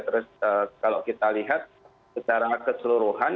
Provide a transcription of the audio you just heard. terus kalau kita lihat secara keseluruhan